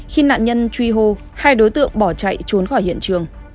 khi nạn nhân truy hô hai đối tượng bỏ chạy trốn khỏi hiện trường